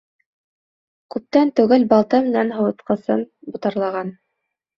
Күптән түгел балта менән һыуытҡысын ботарлаған.